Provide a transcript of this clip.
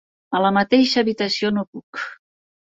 A la mateixa habitació no puc.